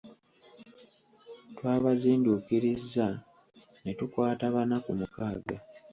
Twabazinduukirizza ne tukwatako bana ku mukaaga.